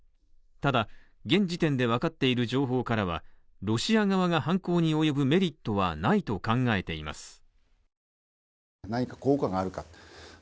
ただ、現時点で分かっている情報からはロシア側が犯行に及ぶメリットはないと考えています。